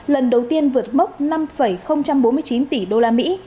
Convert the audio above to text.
lần đầu tiên vượt mốc năm bốn mươi chín tỷ đô la mỹ